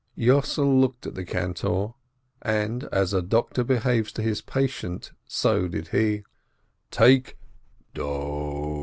Yossel looked at the cantor, and as a doctor behaves to his patient, so did he : "Take do!"